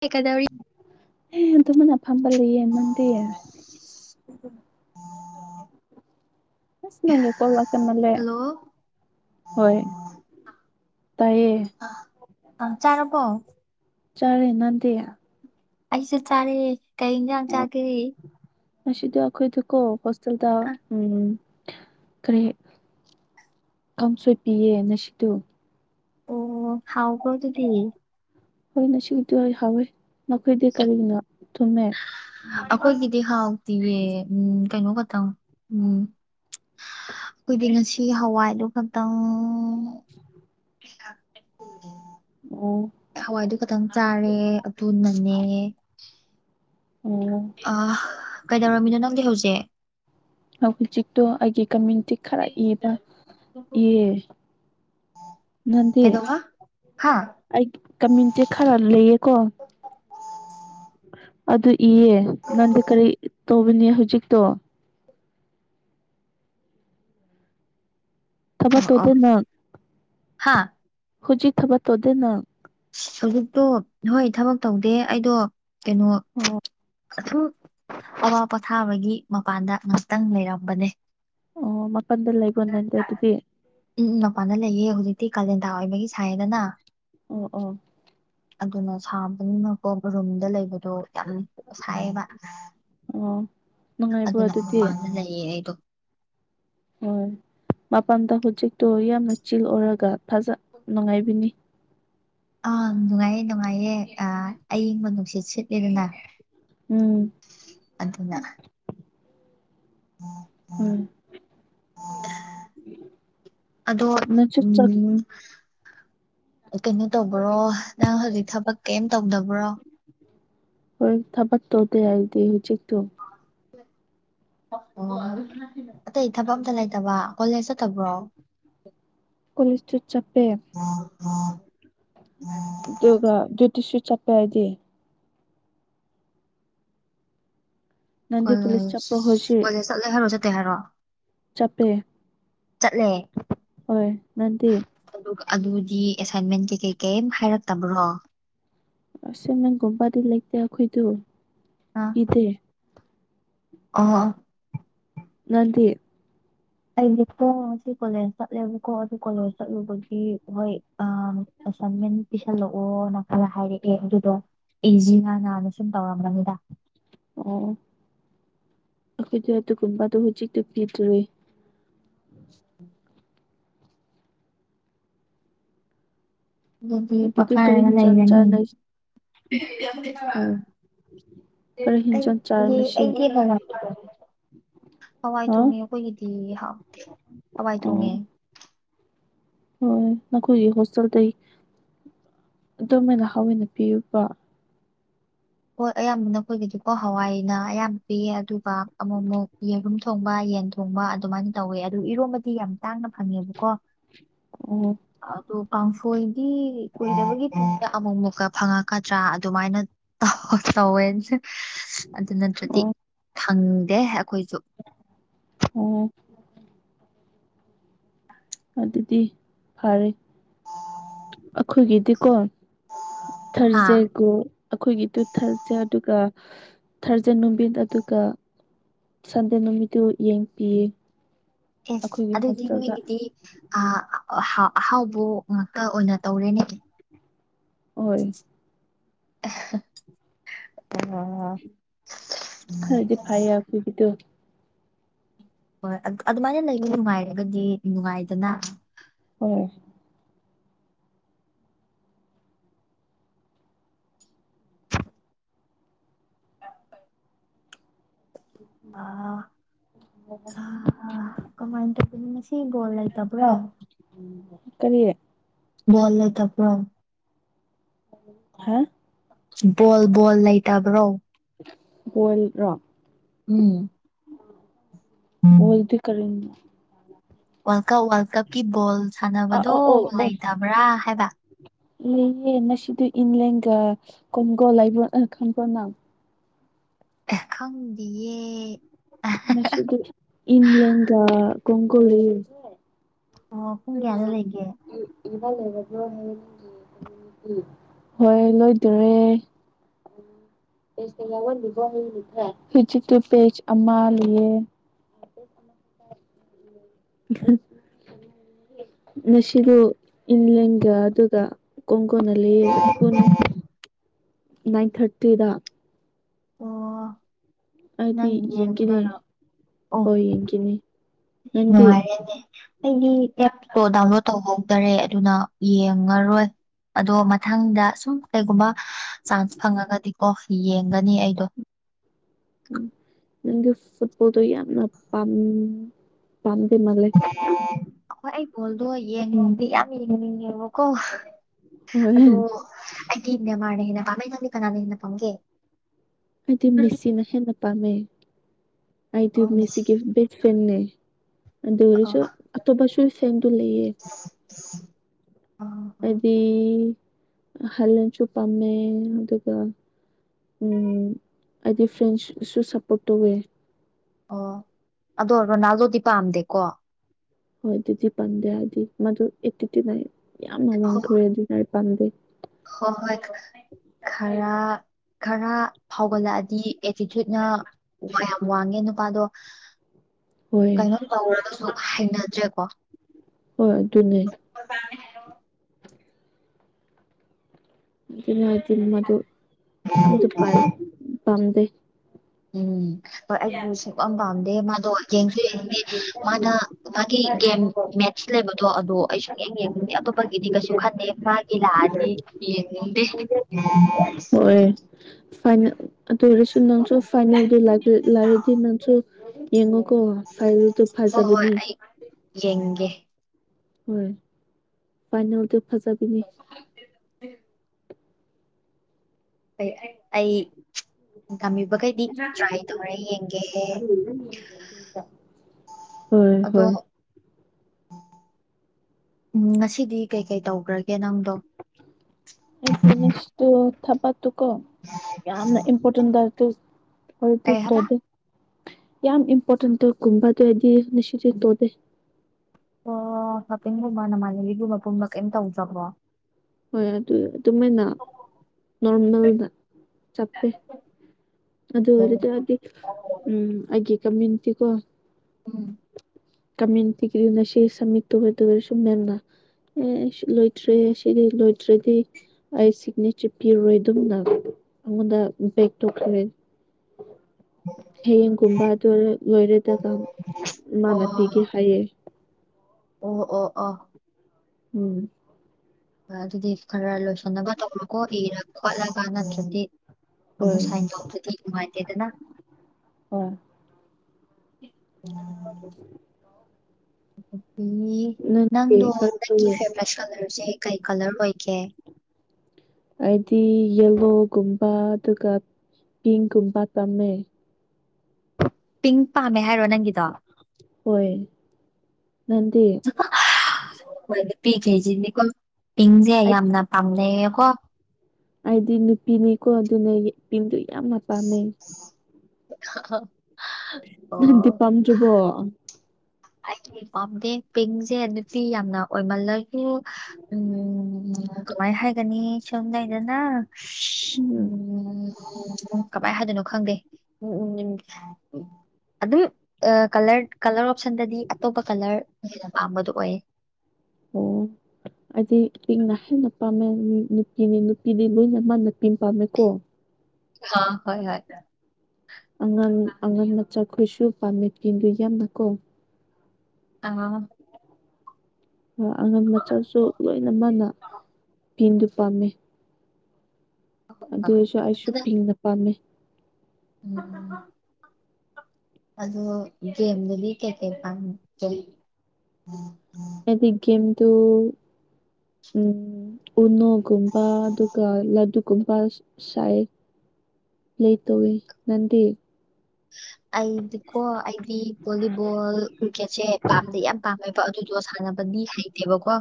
ꯍ ꯀꯗꯧꯔꯤ ꯑꯗꯨꯃꯅ ꯐꯝꯕ ꯂꯩ ꯌꯦꯃꯗ ꯅꯦ ꯀꯂꯀ ꯅꯂꯦ ꯍꯜꯂꯣ ꯍꯣꯏ ꯇꯥꯏꯌꯦ ꯑ ꯑ ꯆꯔꯄꯣ ꯆꯔꯦꯅꯥꯗꯌꯥ ꯑꯩꯁꯨ ꯆꯥꯔꯦꯦ ꯀꯩꯖ ꯌꯥꯝ ꯆꯥꯒꯔꯤ ꯑ ꯁꯤꯗꯈꯣꯏ ꯊꯀꯣ ꯍꯣꯁꯇꯦꯜꯗ ꯑ ꯎꯝ ꯀꯔꯤ ꯀ ꯁꯣꯏꯄꯤꯌꯦ ꯅꯁꯤꯗꯣ ꯑꯣ ꯍꯥꯎ ꯀꯣ ꯇꯗꯤ ꯍꯣꯏ ꯉꯁꯤꯒꯤꯗꯤ ꯍꯥꯎꯋꯦ ꯅꯣꯏꯗꯤ ꯀꯔꯤꯒꯤꯅꯣ ꯊꯨꯝꯃꯦ ꯑꯩꯈꯣꯏꯒꯤꯗꯤ ꯍꯥꯎꯇꯤꯌꯦ ꯎꯝ ꯀꯩꯅꯣ ꯈꯇꯪ ꯎꯝ ꯑꯩꯈꯣꯏꯗꯤ ꯉꯁꯤ ꯍꯋꯥꯏꯗꯨꯣ ꯈꯛꯇꯪ [unintelligible] [inaudible] [unintelligible] [inaudible] ꯑꯣ ꯍꯋꯥꯏꯗꯨ ꯈꯇꯪ ꯆꯥꯔꯦ ꯑꯗꯨꯅꯅꯦ ꯑꯣ ꯑ ꯀꯩꯗꯧꯔꯝꯃꯤꯅꯣ ꯅꯪꯗꯤ ꯍꯧꯖꯤꯛ ꯍꯧꯖꯤꯛꯇꯣ ꯑꯩꯒꯤ ꯀꯃ꯭ꯌꯨꯅꯤꯇꯤ ꯈꯔ ꯏꯕ ꯏ ꯅꯪꯗꯤꯦ ꯀꯩꯗꯧꯕ ꯍꯥ ꯑꯩ ꯀꯃꯇꯦ ꯈꯔ ꯂꯩꯌꯦ ꯀꯣ ꯑꯗꯨ ꯏꯌꯦ ꯅꯪꯗꯤ ꯀꯔꯤ ꯇꯧꯕꯅꯦ ꯍꯧꯖꯤꯛꯇꯣ ꯊꯕꯥ ꯇꯣꯗ ꯅꯣꯟ ꯍꯥꯥ ꯍꯧꯖꯤ ꯊꯕ ꯇꯧꯗꯅ ꯑꯛꯇꯣ ꯍꯣꯏ ꯊꯕꯛ ꯇꯧꯗꯦ ꯑꯩꯗꯣ ꯀꯩꯅꯣ ꯑꯣ ꯑ ꯑꯋꯥ ꯄꯣꯊꯥꯕꯒꯤ ꯃꯄꯥꯟꯗ ꯉꯍꯥꯛꯇꯪ ꯂꯩꯔꯝꯕꯅꯦ ꯑꯣ ꯃꯈꯟꯗ ꯂꯩꯕ꯭ꯔꯣ ꯅꯪꯗꯤ ꯑꯗꯨꯗꯤ ꯎꯝ ꯄꯥꯟꯗ ꯂꯩꯌꯦꯍꯖꯤ ꯑ ꯀꯥꯂꯦꯟꯗꯥꯥ ꯑꯣꯏꯕꯒꯤ ꯁꯥꯏꯌꯦꯗꯅ ꯑ ꯑ [unintelligible] [inaudible] ꯑꯗꯨꯅ ꯁꯥꯕꯅꯤꯃꯛꯀ ꯔꯨꯝꯗ ꯂꯩꯕꯗꯣ ꯌꯥꯝ ꯁꯥꯏꯌꯦꯕ ꯑꯣ ꯅꯨꯡꯉꯥꯏꯕ꯭ꯔꯣ ꯑꯗꯨꯅ ꯑꯗꯨꯗꯤ ꯃꯃꯅ ꯂꯩꯌꯦ ꯑꯩꯗꯣ ꯍ [unintelligible] [inaudible] ꯃꯄꯥꯟꯗ ꯍꯧꯖꯤꯛꯇꯣ ꯌꯥꯝꯅ ꯆꯤꯜ ꯑꯣꯏꯔꯒ ꯐꯖ ꯅꯨꯡꯉꯥꯏꯕꯤꯅꯤ ꯑꯥ ꯅꯨꯡꯉꯥꯏꯌꯦ ꯅꯨꯡꯉꯥꯏꯌꯦ ꯑꯏꯪꯕ ꯅꯨꯡꯁꯤꯠ ꯁꯤꯠꯂꯗꯅ ꯎꯝ ꯑꯗꯨꯅ ꯎꯝ ꯑꯗꯣ ꯅꯪꯁꯨ ꯆꯠ ꯎꯝ ꯀꯩꯅꯣ ꯇꯧꯕ꯭ꯔꯣ ꯅꯪ ꯍꯧꯖꯤꯛ ꯊꯕꯛ ꯀꯔꯤꯝ ꯇꯧꯗꯕ꯭ꯔꯣ ꯍꯣꯏ ꯊꯕꯔ ꯇꯣꯗꯗꯤ ꯍꯧ ꯎꯆꯇꯣ ꯑꯣ ꯑꯇꯩ ꯊꯕꯛ ꯑꯝꯇ ꯂꯩꯇꯕ ꯀꯣꯂꯦꯖ ꯆꯠꯇꯕ꯭ꯔꯣ ꯀꯣꯂꯦꯖꯇ ꯆꯞꯄꯦ ꯑ [unintelligible] [inaudible] ꯑꯗꯨꯒ ꯌꯨꯇꯁꯨ ꯆꯠꯄꯦ ꯍꯥꯏꯗꯤ ꯅꯪꯗꯤ ꯀꯣꯂꯦ ꯀꯣꯂꯦꯖ ꯆꯠꯄ꯭ꯔꯣ ꯀꯣꯂꯦꯖ ꯆꯠꯂꯦ ꯍꯥꯏꯔꯣ ꯆꯠꯇꯦ ꯍꯥꯏꯔꯣ ꯆꯄꯦ ꯆꯠꯂꯦ ꯍꯣꯏ ꯅꯠꯇꯠ ꯑꯗꯨꯗꯤ ꯑꯦꯁꯥꯏꯟꯃꯦꯟ ꯀꯩ ꯀꯩ ꯀꯩ ꯍꯥꯏꯔꯛꯇꯕ꯭ꯔꯣ ꯑꯁ ꯅ ꯝ ꯄꯗꯤ ꯂ ꯂꯩꯗꯈꯣꯏꯗꯣ ꯏꯗ ꯑ [unintelligible] [inaudible] ꯅꯪꯗꯤ ꯑꯩꯗꯤ ꯄꯣꯡꯁꯤ ꯀꯣꯂꯦꯖ ꯆꯠꯂꯦꯕꯀꯣ ꯑꯗꯨ ꯀꯣꯂꯦꯖ ꯆꯠꯂꯨꯕꯒꯤ ꯍꯣꯏ ꯑ ꯑꯁꯥꯏꯟꯃꯦꯟ ꯄꯤꯤꯁꯜꯂꯛꯑꯣꯅ ꯈꯔ ꯍꯥꯏꯔꯛꯑꯦ ꯑꯗꯨꯗꯣ ꯑꯦꯖꯤ ꯍ ꯅꯅ ꯁꯨꯝ ꯇꯧꯔꯝꯝꯕꯅꯤꯗ ꯑꯣ ꯑꯩꯈꯣꯏꯗ ꯑꯗꯨꯒꯨꯝꯕꯗꯨꯣ ꯍꯧꯖꯤꯛꯇꯛꯇ ꯄꯤꯗꯔꯤ ꯑꯗꯨꯗꯤ ꯄꯈꯥ ꯀꯔꯤ ꯍꯥꯏꯅ ꯂꯩ ꯍꯤꯟꯖꯥꯡ ꯂꯩꯅꯤ ꯆꯥꯅꯩ ꯍꯥꯏ ꯎꯝ ꯀꯔꯤ ꯍꯤꯟꯖꯥꯡ ꯆꯥꯏ ꯉꯁꯤ ꯑꯩꯗꯤ ꯃ ꯍꯋꯥꯏ ꯍꯥ ꯊꯣꯡꯉꯦ ꯑꯩꯈꯣꯏꯒꯤꯗꯤ ꯍꯋꯥꯏ ꯑꯣ ꯊꯣꯡꯉꯦ ꯍꯣꯏ ꯅꯈꯣꯏꯒꯤ ꯍꯣꯁꯇꯦꯜꯗ ꯑꯗꯨꯝꯥꯏꯅ ꯍꯥꯎꯋ ꯑꯣꯏꯅ ꯄꯤꯌꯨꯕ ꯍꯣꯏ ꯑꯌꯥꯝꯕ ꯅꯈꯣꯏꯒꯤꯗꯤꯀꯣ ꯍꯋꯥꯏꯅ ꯑꯌꯥꯝꯕ ꯄꯤꯌꯦ ꯑꯗꯨꯒ ꯑꯃꯨꯛ ꯑꯃꯨꯛ ꯌꯦꯨꯝ ꯊꯣꯡꯕ ꯌꯦꯟ ꯊꯣꯡꯕ ꯑꯗꯨꯃꯥꯏꯅ ꯇꯧꯋꯦ ꯑꯗꯨ ꯏꯔꯣꯝꯕꯗꯤ ꯌꯥꯝ ꯇꯥꯡꯅ ꯐꯪꯉꯦꯕꯀꯣ ꯑꯣ ꯑꯗꯨ ꯀꯥꯡꯥꯡꯐꯣꯏꯗꯤ ꯀꯨꯏꯗꯕꯒꯤ ꯑꯃꯨꯛ ꯃꯨꯛꯀ ꯐꯪꯉꯛꯀꯗ꯭ꯔꯥ ꯑꯗꯨꯃꯥꯏꯅ ꯇꯧ ꯇꯧꯋꯦꯅꯁꯦ ꯑꯗꯨ ꯅꯠꯇ꯭ꯔꯗꯤ ꯑꯣ ꯈꯪꯗꯦ ꯑꯩꯈꯣꯏꯁꯨ ꯎꯝ ꯑꯗꯨꯗꯤ ꯐꯔꯦ ꯑꯩꯈꯣꯏꯒꯤꯗꯤꯀꯣ ꯍꯥ ꯊꯥꯔꯖꯦꯛꯒꯣ ꯑꯩꯈꯣꯏꯒꯤꯗꯨ ꯊꯔꯖ ꯑꯗꯨꯒ ꯊꯔꯖ ꯅꯨꯡꯕꯤꯟ ꯑꯗꯨꯒ ꯁꯟꯗꯦꯟ ꯅꯨꯃꯤꯠꯇꯨ ꯌꯦꯡ ꯄꯌꯦ ꯌꯦꯁ ꯑꯗꯨꯗꯗꯤꯅ ꯍꯦꯒꯗꯤ ꯑ ꯑꯍꯥꯎꯕ ꯉꯥꯛꯇ ꯑꯣꯏꯅ ꯇꯧꯔꯦꯅꯦ ꯍꯣꯏ ꯑ ꯍꯥꯏꯗꯤ ꯐꯥꯏ ꯌꯥ ꯀꯣꯏꯒꯤꯗꯨꯣ ꯍꯣꯏ ꯑꯗꯨꯃꯥꯏꯅ ꯂꯩꯕ ꯅꯨꯡꯉꯥꯏꯔꯒꯗꯤ ꯅꯨꯡꯉꯥꯏꯗꯅ ꯍꯣꯏ ꯑ ꯀꯃꯥꯏꯗ ꯁꯤ ꯣꯜꯂ ꯇ ꯄꯨ꯭ꯔꯣ ꯀꯔꯤꯌꯦ ꯕꯣꯜ ꯂꯩꯇꯕ꯭ꯔꯣ ꯍꯥ ꯕꯣꯜ ꯕꯣꯜ ꯂꯩꯇꯕ꯭ꯔꯣ ꯍꯣꯜꯔꯦ ꯔꯣ ꯎꯝ ꯕꯣꯜꯗꯤ ꯀꯔꯤꯅꯣ ꯋꯥꯔꯜ ꯀꯞ ꯋꯥꯔꯜ ꯀꯞꯀꯤ ꯕꯣꯜ ꯑ ꯁꯥꯟꯅꯕꯗꯣ ꯑꯣ ꯑꯣ ꯑꯣ ꯂꯩꯇꯕ꯭ꯔꯥ ꯍꯥꯏꯕ ꯂꯩꯌꯦ ꯉꯁꯤꯗ ꯏꯂꯦꯟꯒ ꯀꯣꯟꯒꯣ ꯂꯩꯕ ꯈꯪꯕ ꯅꯪ ꯈꯪꯗꯤꯌꯦ ꯉꯁꯤꯗꯤ ꯏꯪꯂꯦꯟꯒ ꯀꯣꯡꯒꯣ ꯂꯩꯌꯦ ꯑꯣ ꯄꯨꯡ ꯀꯌꯥꯗ ꯂꯩꯒꯦ [unintelligible] ꯍꯣꯏ ꯂꯣꯏꯗꯣꯔꯦ ꯍꯧꯖꯤꯛꯇꯨ ꯄꯦꯖ ꯑꯃ ꯂꯩꯌꯦ [unintelligible] ꯉꯁꯤꯗꯨ ꯏꯪꯂꯦꯒ ꯑꯗꯨꯒ ꯀꯣꯟꯒꯣꯅ ꯂꯨꯢꯌꯦ ꯄꯨꯡ ꯅꯥꯏꯟ ꯊꯥꯔꯇꯤꯗ ꯑꯣ ꯑꯩꯗꯤ ꯅꯪ ꯌꯦꯡꯒꯅꯤ ꯌꯦꯡꯗꯣꯢꯔꯣ ꯑꯣ ꯍꯣꯏ ꯌꯦꯡꯒꯅꯤ ꯅꯪꯗꯤ ꯅꯨꯡꯉꯥꯏꯔꯦꯅꯦ ꯑꯩꯒꯤ ꯑꯦꯞꯇꯣ ꯗꯥꯎꯟꯂꯣꯠ ꯇꯧꯍꯧꯗꯔꯦ ꯑꯗꯨꯅ ꯌꯦꯡꯉꯔꯣꯏ ꯑꯗꯣ ꯃꯊꯪꯗ ꯁꯨꯝ ꯀꯩꯒꯨꯝꯕ ꯆꯥꯟꯁ ꯐꯪꯉꯒꯗꯤꯀꯣ ꯌꯦꯡꯒ ꯌꯦꯡꯅꯤ ꯑꯩꯗꯣ ꯎꯝ ꯅꯪꯗꯤ ꯐꯨꯠꯕꯣꯜꯗꯣ ꯌꯥꯝꯅ ꯄꯥꯝ ꯄꯥꯝꯗꯣꯢ ꯃꯥꯜꯂꯦ ꯍꯣꯏ ꯑꯩ ꯕꯣꯜꯗꯣ ꯌꯦꯡꯗꯤ ꯌꯥꯝ ꯌꯦꯡꯅꯤꯡꯉꯦꯕꯀꯣ ꯑꯗꯣ ꯍꯣꯏ ꯑꯩꯗꯤ ꯅꯦꯃꯥꯔꯅ ꯍꯦꯟꯅ ꯄꯥꯝꯃꯦ ꯅꯪꯗꯤ ꯀꯅꯥꯅ ꯍꯦꯟꯅ ꯄꯥꯝꯒꯦ ꯑꯩꯗꯤ ꯃꯦꯁꯤꯅ ꯍꯦꯟꯅ ꯄꯥꯝꯃꯦ ꯑꯩ ꯇꯨ ꯑꯣ ꯃꯦꯁꯤ ꯃꯦꯁꯤꯒꯤ ꯕꯦꯁ ꯐ꯭ꯔꯦꯟꯅꯦ ꯑꯣ ꯑꯗꯨꯑꯣꯢꯔꯁꯨ ꯑꯇꯣꯞꯄꯁꯨ ꯐꯦꯟꯗꯣ ꯂꯩꯌꯦ [unintelligible] ꯑꯩꯗꯤ ꯍꯥꯂꯟꯁꯨ ꯄꯥꯝꯃꯦ ꯑꯗꯨꯒ ꯑꯩꯗꯤ ꯐ꯭ꯔꯦꯟꯁꯁꯨ ꯁꯞꯄꯣꯔꯠ ꯇꯧꯋꯦ ꯑꯣ ꯑꯗꯣ ꯔꯣꯅꯥꯜꯗꯣꯗꯤ ꯄꯥꯝꯗꯦꯀꯣ ꯍꯣꯏ ꯑꯗꯨꯗꯤ ꯄꯥꯝꯗꯦ ꯍꯥꯏꯗꯤ ꯃꯗꯨ ꯑꯦꯇꯤꯆꯨꯢꯠꯅ ꯌꯥꯝꯅ ꯍꯣꯏ ꯋꯥꯡꯈ꯭ꯔꯦ ꯑꯗꯨ ꯄꯥꯝꯗꯦ ꯍꯣꯏ ꯈꯔ ꯈꯔ ꯐꯥꯎꯒꯠꯂꯛꯑꯗꯤ ꯑꯦꯇꯤꯆꯨꯢꯠꯅ ꯌꯥꯝ ꯋꯥꯡꯉꯦ ꯅꯨꯄꯥꯗꯣ ꯍꯣꯏ ꯀꯩꯅꯣꯝ ꯇꯧꯔꯒꯁꯨ ꯍꯩꯅꯗ꯭ꯔꯦꯀꯣ ꯍꯣꯏ ꯑꯗꯨꯅꯦ ꯍꯜꯂꯣ ꯑꯗꯨꯅ ꯑꯗꯨꯅꯤ ꯃꯗꯨ ꯌꯥꯝꯅ ꯄꯝꯗꯦ ꯎꯝ ꯍꯣꯏ ꯑꯩꯁꯨ ꯁꯨꯛꯄꯝ ꯄꯥꯝꯗꯦ ꯃꯥꯗꯣ ꯃꯥꯅ ꯃꯥꯒꯤ ꯒꯦꯝ ꯃꯦꯠꯁ ꯂꯩꯕ ꯑꯗꯣ ꯑꯩ ꯁꯨꯡꯌꯦꯡ ꯌꯦꯡꯅꯤꯡꯗꯦ ꯑꯇꯣꯞꯄꯒꯤꯗꯤ ꯀꯩꯁꯨ ꯈꯟꯗꯦ ꯃꯥꯒꯤ ꯂꯥꯛꯑꯗꯤ ꯌꯦꯡꯅꯤꯡꯗꯦ [unintelligible] ꯍꯣꯏ ꯐꯥꯏꯅꯦꯜ [unintelligible] ꯅꯪꯁꯨ ꯐꯥꯏꯅꯦꯜ ꯗꯣ ꯂꯥꯛꯑꯗꯤ ꯅꯪꯁꯨ ꯌꯦꯡꯉꯣꯀꯣ ꯐꯥꯏꯅꯦꯜ ꯇꯣ ꯍꯣꯏ ꯍꯣꯏ ꯐꯥꯖꯕꯅꯤ ꯑꯩ ꯌꯦꯡꯒꯦ ꯍꯣꯏ ꯐꯥꯏꯅꯦꯜꯗꯨ ꯐꯖꯥꯕꯤꯅꯤ ꯑꯩ ꯑꯩ ꯇꯥꯝꯕꯤꯕꯈꯩꯗꯤ ꯇ꯭ꯔꯥꯏ ꯇꯧꯔꯦ ꯌꯦꯡꯒꯦ ꯍꯣꯏ ꯑꯗꯣ ꯍꯣꯏ ꯎꯝ ꯉꯁꯤꯗꯤ ꯀꯩꯀꯩ ꯇꯧꯈ꯭ꯔꯒꯦ ꯀ ꯅꯪꯗꯣ ꯀꯣ ꯌꯥꯝꯅ ꯏꯝꯄꯣꯔꯇꯦꯟ ꯇꯔꯛꯇ ꯍꯧꯖꯤꯛꯇ ꯀꯩ ꯍꯥꯏꯕ ꯇꯧꯗ ꯌꯥꯝ ꯏꯝꯄꯣꯔꯇꯦꯟꯗꯣꯒꯨꯝꯕ ꯑꯗꯨ ꯑꯩꯗꯤ ꯅꯨꯡꯁꯤꯗꯤ ꯇꯣꯗꯦ ꯑꯣ ꯍꯥꯄꯤꯡꯒꯨꯝꯕ ꯅꯃꯥꯟꯅꯕꯤꯒꯨꯝꯕ ꯄꯨꯨꯝꯕ ꯀꯩꯝ ꯇꯧꯗ꯭ꯔꯕꯣ ꯍꯣꯏ ꯑꯗꯨ ꯑꯗꯨꯃꯥꯏꯅ ꯅꯣꯔꯃꯦꯜꯗ ꯆꯄꯦ ꯑꯗꯨꯗ ꯎꯝ ꯑꯣꯏꯔꯗꯤꯗꯒꯤ ꯎꯝ ꯑꯩꯒꯤ ꯀꯃꯦꯟꯇꯤꯀꯣ ꯎꯝ ꯀꯇꯤꯒꯔꯤꯅ ꯁꯤ ꯏꯁ ꯃꯇꯨ ꯍꯗꯔꯦ ꯁꯨꯝꯕꯦꯝꯅ ꯑꯦ ꯂꯣꯏꯇ꯭ꯔꯦ ꯑꯁꯤꯗꯤ ꯂꯣꯏꯗ꯭ꯔꯗꯤ ꯑꯩ ꯁꯤꯒꯅꯦꯆꯔ ꯄꯤꯔꯣꯏ ꯑꯗꯨꯝꯅ ꯑꯩꯉꯣꯟꯗ ꯕ ꯇꯈ꯭ꯔꯦ ꯍ ꯍꯌꯦꯡꯒꯨꯝꯕ ꯑꯗꯨ ꯂꯣꯏꯔꯦꯗꯒ ꯑꯣ ꯃꯥꯟꯅꯈꯤꯒꯦ ꯍꯥꯏꯌꯦ ꯑꯣ ꯑꯣ ꯑ ꯎꯝ ꯑꯗꯨꯗꯤ ꯈꯔ ꯂꯣꯏꯁꯟꯅꯕ ꯇꯧꯔꯣꯀꯣ ꯏꯔ ꯈꯣꯠꯂꯒ ꯅꯠꯇ꯭ꯔꯗꯤ ꯁꯨ ꯍꯣꯏ ꯁꯥꯏꯟ ꯇ ꯅꯨꯡꯉꯥꯏꯇꯦꯗꯅ ꯍꯣꯏ ꯎ ꯑꯗꯨꯗꯤ ꯅꯪꯗꯤ ꯅꯪꯗꯣ ꯀꯔꯤ ꯅꯪꯒꯤ ꯐꯦꯚꯦꯠ ꯀꯂꯔꯁꯦ ꯀꯩ ꯀꯂꯔ ꯑꯣꯏ ꯍꯥꯏꯗꯤ ꯌꯦꯂꯣꯒꯨꯝꯕ ꯑꯗꯨꯒ ꯄꯤꯡꯒꯨꯝꯕ ꯇꯝꯃꯦ ꯄꯤꯡ ꯄꯥꯝꯃꯦ ꯍꯥꯏꯔꯣ ꯅꯪꯒꯤꯗꯣ ꯍꯣꯏ ꯅꯪꯗꯤ ꯣꯏ ꯄꯤꯈꯦꯁꯤꯅꯦꯀꯣ ꯄꯤꯡꯁꯦ ꯑꯩ ꯌꯥꯝꯅ ꯄꯥꯝꯅꯩ ꯀꯣ ꯑꯩꯗꯤ ꯅꯨꯄꯤꯅꯤꯀꯣ ꯑꯗꯨꯅꯦꯄꯤꯟꯗꯨ ꯌꯥꯝ ꯃ ꯆꯥꯟꯅꯩ [inaudible] ꯅꯗꯤ ꯄꯥꯝꯗ꯭ꯔꯕꯣ ꯑꯩꯗꯤ ꯄꯥꯝꯗꯦ ꯄꯤꯡꯁꯦ ꯅꯨꯄꯤ ꯌꯥꯝꯅ ꯑꯣꯏꯃꯜꯂꯣꯏ ꯑ ꯎꯝ ꯀꯃꯥꯏ ꯍꯥꯏꯒꯅꯤ ꯁꯝꯗꯥꯏꯗꯅ ꯎꯝ ꯎ ꯎ ꯀꯃꯥꯏ ꯍꯥꯏꯗꯣꯏꯅꯣ ꯈꯪꯗꯦ ꯎꯝ ꯎꯝ ꯎꯝ ꯎ ꯑꯗꯨꯝ ꯀꯂꯔ ꯀꯂꯔ ꯑꯣꯁꯟꯗꯗꯤ ꯑꯇꯣꯞꯄ ꯀꯂꯔ ꯍꯦꯟꯅ ꯄꯥꯝꯕꯗꯨꯣ ꯑꯣꯏ ꯑꯣ ꯍꯥꯏꯗꯤ ꯏꯛꯅ ꯍꯦꯟꯅ ꯄꯥꯝꯃꯦ ꯅꯨꯄꯤꯅꯤ ꯅꯨꯄꯤꯗꯤ ꯂꯣꯏꯅ ꯃꯥ ꯅꯨꯄꯤ ꯑꯃ ꯄꯥꯝꯃꯦꯀꯣ ꯍꯥ ꯍꯣꯏ ꯍꯣꯏ ꯑꯉꯜ ꯑꯉꯟ ꯃꯆꯥꯈꯣꯏꯁꯨ ꯄꯥꯔꯃꯤꯠ ꯀꯤꯗꯨ ꯌꯥꯝꯅꯀꯣ ꯑꯥ ꯑꯉꯝ ꯃꯆꯥꯁꯨ ꯂꯣꯏꯅ ꯃꯥꯅ ꯐꯤꯟꯗꯨ ꯄꯥꯝꯃꯦ ꯑ ꯑꯗꯨꯁꯨ ꯑꯩꯁꯨ ꯊꯅ ꯄꯥꯝꯃꯦ ꯎꯝ ꯎꯝ ꯑꯗꯨ ꯦꯝꯗꯗꯤ ꯀꯩ ꯀꯩ ꯄꯥꯝ ꯑꯦꯗꯤꯒꯦꯝ ꯇꯣ ꯎꯝ ꯎꯅꯨꯒꯨꯝꯕ ꯑꯗꯨꯒ ꯂꯥꯗꯨꯒꯨꯝꯕ ꯁꯥꯏ ꯂꯩ ꯇꯣꯋ ꯅꯗꯤ ꯑꯩꯗꯤꯀꯣ ꯑꯩꯗꯤ ꯚꯣꯂꯤꯕꯣꯜ ꯀ꯭ꯔꯤꯛꯀꯦꯠꯁꯦ ꯄꯥꯝꯗꯦ ꯌꯥꯝ ꯄꯥꯝꯃꯦ ꯑꯗꯨꯗꯣ ꯁꯥꯟꯅꯕꯗꯤ ꯍꯥꯏꯇꯦꯕꯀꯣ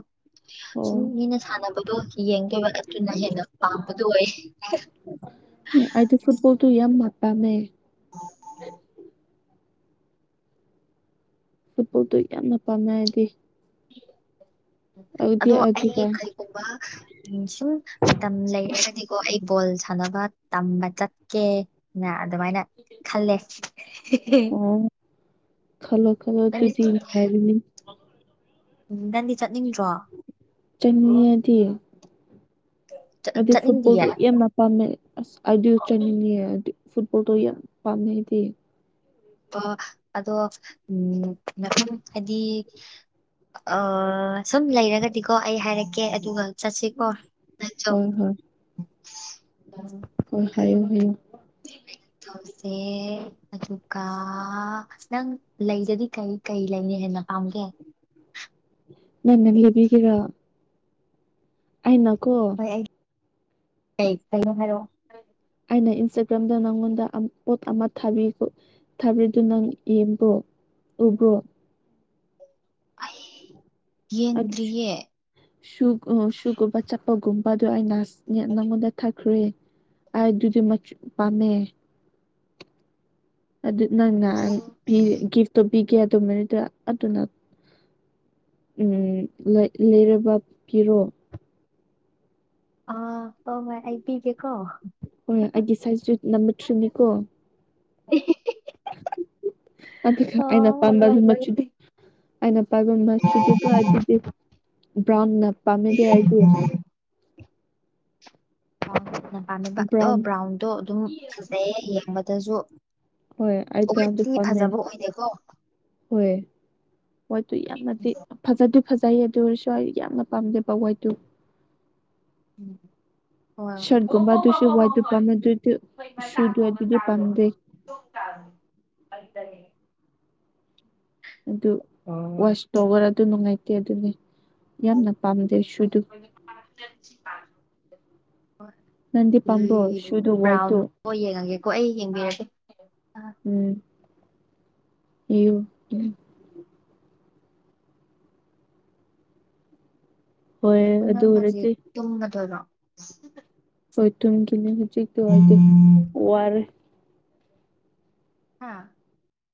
ꯁꯨꯝ ꯑꯣ ꯃꯤꯅ ꯁꯥꯟꯅꯕꯗꯣ ꯌꯦꯡꯗꯕ ꯑꯗꯨꯅ ꯍꯦꯟꯅ ꯄꯥꯝꯕꯗꯨꯣ ꯑꯣꯏ ꯑꯩꯗꯤ ꯐꯨꯠꯕꯣꯜ ꯇꯨ ꯄꯥꯝꯗꯦ ꯐꯨꯠꯕꯣꯜꯗꯣ ꯌꯥꯝꯅ ꯄꯥꯝꯃꯦ ꯑꯩꯗꯤ [unintelligible] ꯑꯗꯣ ꯑꯩ ꯑꯗꯨꯒ ꯀꯔꯤꯒꯨꯝꯕ ꯎ ꯁꯨꯝ ꯃꯇꯝ ꯂꯩꯒꯗꯤ ꯀꯣ ꯑꯩ ꯕꯣꯜ ꯁꯥꯟꯅꯕ ꯇꯝꯕ ꯆꯠꯀꯦꯅ ꯑꯗꯨꯃꯥꯏꯅ ꯈꯜꯂꯦ ꯍ [unintelligible] ꯑꯣ ꯈꯜꯂꯣ ꯈꯜꯂꯣ ꯑꯗꯨꯗꯤ ꯅꯨꯡꯉꯥꯏꯕꯅꯤ ꯎꯝ ꯗꯅꯤ ꯆꯠ ꯆꯟꯃꯤꯌꯗꯤ ꯆꯠ ꯑꯗꯨ ꯆꯠꯅꯤꯡꯗꯤꯌꯦ ꯐꯨꯠꯕꯣꯜꯗꯨ ꯌꯥꯝꯅ ꯄꯥꯝꯃꯦ ꯑꯁ ꯑꯗꯨ ꯆꯪꯅꯤꯡꯉ ꯑꯗꯨ ꯐꯨꯠꯕꯣꯜ ꯌꯥꯝ ꯄꯥꯝꯃꯦ ꯑꯩ ꯗꯤ ꯑ ꯑꯗꯣ ꯎꯝ ꯃꯊꯡ ꯍꯥꯏꯗꯤ ꯑ ꯁꯨꯝ ꯂꯩꯔꯒꯗꯤꯀꯣ ꯑꯩ ꯍꯥꯏꯔꯛꯀꯦ ꯑꯗꯨꯒ ꯆꯠꯁꯤꯀꯣ ꯍꯣꯏ ꯍꯣꯏ ꯑ ꯍꯣꯏ ꯍꯥꯏꯌꯨ ꯍꯥꯏꯌꯨ [unintelligible] ꯑꯦ ꯑꯗꯨꯒ ꯅꯪ ꯂꯩꯗꯗꯤ ꯀꯩ ꯀꯩ ꯂꯩꯅꯤ ꯍꯦꯟꯅ ꯄꯥꯝ ꯒꯦ ꯅꯟꯅ ꯂꯩꯕꯤꯒꯦꯔ ꯑꯩꯅꯥꯀꯣ ꯍꯣꯏ ꯑꯩ ꯀꯩ ꯀꯩꯅ ꯍꯥꯏꯔꯣ ꯑꯩꯅ ꯏꯟꯁꯇꯥꯒ꯭ꯔꯥꯝꯗ ꯅꯪꯉꯣꯟꯗ ꯄꯣꯠ ꯑꯃ ꯊꯕꯤꯗꯨ ꯊꯥꯕꯤꯔꯤꯗꯨ ꯅꯪ ꯌꯦꯡꯕ꯭ꯔꯣ ꯎꯕꯔꯣ ꯌꯦꯡꯗꯔ꯭ꯤꯌꯦ ꯁꯨꯒ ꯁꯨꯒꯨꯝꯕ ꯆꯠꯄꯒꯨꯝꯕ ꯑꯗꯨ ꯑꯩꯅ ꯅꯉꯣꯟꯗ ꯊꯛꯈ꯭ꯔꯦ ꯍꯥꯏ ꯑꯗꯨꯗꯤ ꯃꯆ ꯄꯥꯝꯃꯦ ꯑꯗꯨ ꯅꯪꯅ ꯒꯤꯐꯇꯣ ꯄꯤꯒꯦ ꯑꯗꯨꯃꯅꯤꯗꯨ ꯑꯗꯨꯅ ꯎꯝ ꯂ ꯂꯩꯔꯕ ꯀꯤꯔꯣ ꯑꯥ ꯇꯥꯎ ꯃꯥꯏ ꯑꯩ ꯄꯤꯒꯦꯀꯣ ꯍꯣꯏ ꯑꯩꯒꯤ ꯁꯥꯏꯖꯁꯨꯨ ꯅꯝꯕꯔ ꯊ꯭ꯔꯤꯅꯤꯀꯣ [unintelligible] ꯑꯗꯨꯒ ꯑꯩꯅ ꯑꯣ ꯄꯝꯕ ꯍꯣꯏ ꯃꯆꯨꯗꯨ ꯍꯣꯏ ꯑꯩꯅ ꯄꯥꯏꯒ ꯃꯆꯨꯗꯨꯕꯨꯣ ꯗꯨ ꯑꯗꯨꯗꯤ ꯭ꯕꯔꯥꯎꯟꯅ ꯄꯝꯃꯦꯗꯤ ꯍꯥꯏꯗꯤ ꯕꯔ꯭ꯟꯅ ꯄꯥꯝꯃꯤꯕ ꯑꯗꯣ ꯕ꯭ꯔꯥꯎꯟ ꯕ꯭ꯔꯥꯎꯟꯗꯣ ꯑꯗꯨꯝ ꯐꯖꯩꯌꯦ ꯌꯦꯡꯕꯗꯁꯨ ꯍꯣꯏ ꯑꯩ ꯕ꯭ꯔꯥꯎꯟꯗꯨ ꯑꯣꯠꯇꯤ ꯄꯥꯝꯃꯦ ꯐꯖꯕ ꯑꯣꯏꯗꯦꯀꯣ ꯍꯣꯏ ꯋꯥꯠꯇꯨ ꯌꯥꯝꯅꯗꯤ ꯐꯖꯗꯨ ꯐꯖꯩꯌꯦ ꯑꯗꯨ ꯑꯣꯏꯔꯁꯨ ꯑꯩ ꯌꯥꯝꯅ ꯄꯥꯝꯗꯦꯕ ꯋꯥꯏꯠꯇꯨ ꯎꯝ ꯁꯔꯠꯒꯨꯝꯕ ꯑꯗꯨꯁꯨ ꯋꯥꯏꯗ ꯄꯥꯝꯃꯦ ꯑꯗꯨꯏꯗꯤ ꯁꯨꯗꯣꯏ ꯑꯗꯨꯗꯤ ꯄꯥꯝꯗꯦ ꯑꯗꯨꯗꯅꯦ ꯑꯗꯨ ꯋꯥꯁ ꯇꯧꯈꯔ ꯑꯗꯨ ꯅꯨꯡꯉꯥꯏꯇꯦ ꯑꯗꯨꯅꯤ ꯌꯥꯝꯅ ꯄꯥꯝ ꯗꯩꯩꯁꯨꯗꯨ [inaudible] ꯅꯪꯗꯤ ꯄꯥꯝꯕ꯭ꯔꯣ ꯁꯨꯗꯨ ꯍ ꯕ꯭ꯔꯥꯎꯟ ꯋꯥꯏꯠꯇꯨ ꯌꯦꯡꯉꯒꯦꯀꯣ ꯑꯩ ꯌꯦꯡꯕꯤꯔꯒꯦ ꯎꯝ ꯏꯌꯨ ꯍꯣꯏ ꯑꯗꯨ ꯅꯪ ꯍꯧꯖꯤꯛ ꯑꯣꯏꯔꯗꯤ ꯇꯨꯝꯒꯗꯣꯏꯔꯣ ꯍꯊꯝ ꯀ ꯍꯧ ꯎꯆ ꯋꯥꯗꯤ ꯋꯥꯔ ꯍꯥꯥ